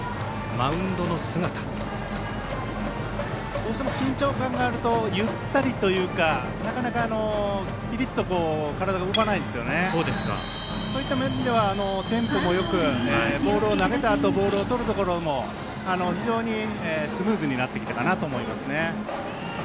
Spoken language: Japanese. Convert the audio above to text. どうしても緊張感があるとゆったりというかなかなかキリッと体が動かないんですがそういった意味ではテンポもよくボールを投げたあとボールをとるところも非常にスムーズになってきたかなと思います。